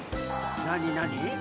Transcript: なになに？